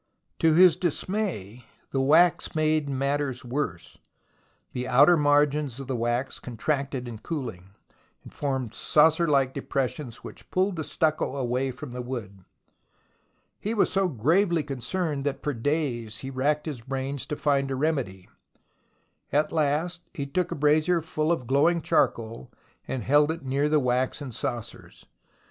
To his dismay the wax made matters worse. The outer margins of the wax contracted in coohng, and formed saucer like depressions which pulled the stucco away from the wood. He was so gravely concerned that for days he racked his brains to find a remedy. At last, he took a brazier full of glowing charcoal, and held it near the waxen saucers.